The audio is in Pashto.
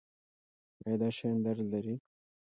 ایا دا شیان درد لري؟